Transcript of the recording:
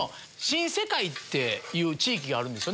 新世界っていう地域があるんです。